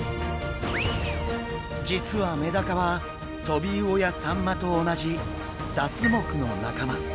実はメダカはトビウオやサンマと同じダツ目の仲間。